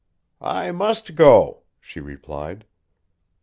"I must go," she replied.